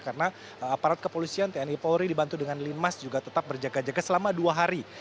karena aparat kepolusian tni polri dibantu dengan limas juga tetap berjaga jaga selama dua hari